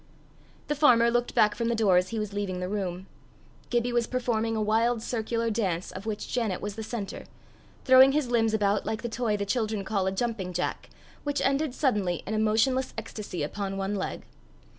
The farmer looked back from the door as he was leaving the room: Gibbie was performing a wild circular dance of which Janet was the centre, throwing his limbs about like the toy the children call a jumping Jack, which ended suddenly in a motionless ecstasy upon one leg.